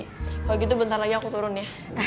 kalau gitu bentar lagi aku turun ya